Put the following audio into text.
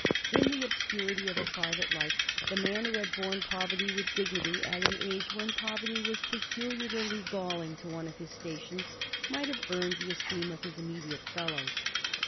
In the obscurity of a private life, the man who had borne poverty with dignity at an age when poverty was peculiarly galling to one of his station might have earned the esteem of his immediate fellows.